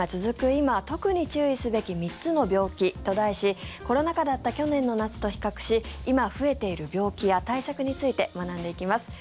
今特に注意すべき３つの病気と題しコロナ禍だった去年の夏と比較し今、増えている病気や対策について学んでいきます。